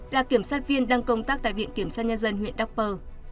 là kiểm sát viên đang công tác tại viện kiểm sát nhân dân huyện đắk pơ